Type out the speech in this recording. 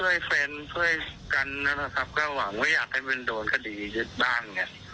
เพื่อนเพื่อนกันนะครับก็หวังว่าอยากให้เป็นโดนคดีบ้าน